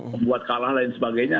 membuat kalah dan sebagainya